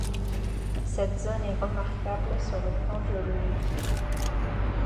Cette zone est remarquable sur le plan géologique.